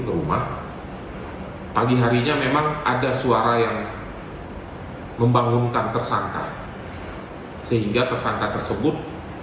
ke rumah pagi harinya memang ada suara yang membangunkan tersangka sehingga tersangka tersebut